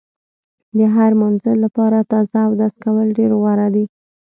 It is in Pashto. د هر مانځه لپاره تازه اودس کول ډېر غوره دي.